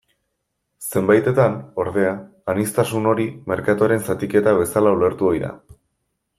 Zenbaitetan, ordea, aniztasun hori merkatuaren zatiketa bezala ulertu ohi da.